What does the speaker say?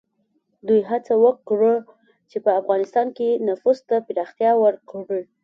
دوی هڅه وکړه چې په افغانستان کې نفوذ ته پراختیا ورکړي.